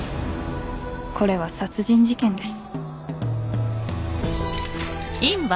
これは殺人事件です。